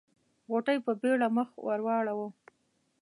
غوټۍ په بيړه مخ ور واړاوه.